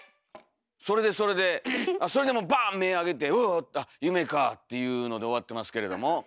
それでそれでそれでもうバッ目開けて「うわっ⁉あ夢か」っていうので終わってますけれども。